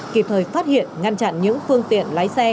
kịp thời phát hiện ngăn chặn những phương tiện lái xe